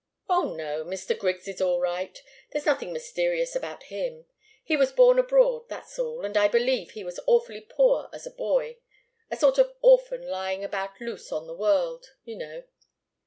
"Oh, no! Mr. Griggs is all right. There's nothing mysterious about him. He was born abroad, that's all, and I believe he was awfully poor as a boy a sort of orphan lying about loose on the world, you know.